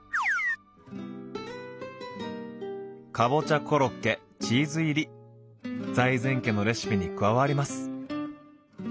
かぼちゃコロッケチーズ入り財前家のレシピに加わります。